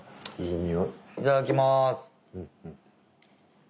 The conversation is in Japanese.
いただきまーす。